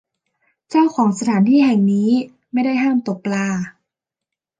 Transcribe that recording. เจ้าของสถานที่แห่งนี้ไม่ได้ห้ามตกปลา